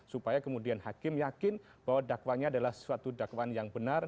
supaya kemudian hakim yakin bahwa dakwanya adalah suatu dakwaan yang benar